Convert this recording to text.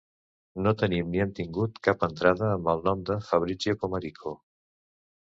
No tenim ni hem tingut cap entrada amb el nom de Fabrizio Pomarico!